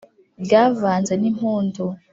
Ryavanze n' impundu